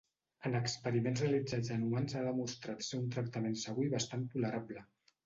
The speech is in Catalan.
En experiments realitzats en humans ha demostrat ser un tractament segur i bastant tolerable.